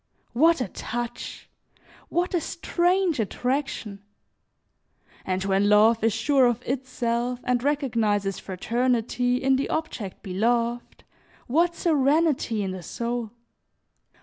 What a touch! What a strange attraction! And when love is sure of itself and recognizes fraternity in the object beloved, what serenity in the soul!